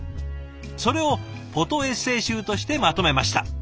それをフォトエッセー集としてまとめました。